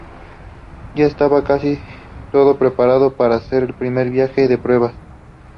Ya estaba casi todo preparado para hacer el primer viaje de pruebas.